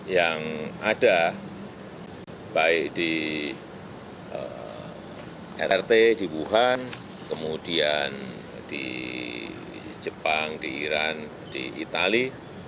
yang ada baik di rrt di wuhan kemudian di jepang di iran di itali